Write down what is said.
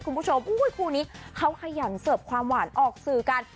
คุณผู้ชมคู่นี้เขาขยันเสิร์ฟความหวานออกสื่อกัน